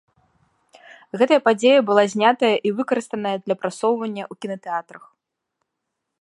Гэтая падзея была знятая і выкарыстаная для прасоўваньня ў кінатэатрах.